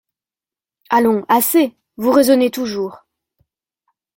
Allons, assez ! vous raisonnez toujours…